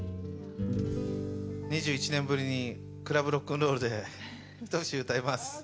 ２１年ぶりにクラブロックンロールで一節歌います。